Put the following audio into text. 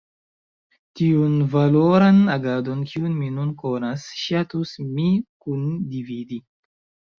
Tiun valoran agadon kiun mi nun konas ŝatus mi kundividi.